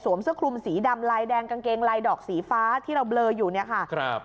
เสื้อคลุมสีดำลายแดงกางเกงลายดอกสีฟ้าที่เราเบลออยู่เนี่ยค่ะครับ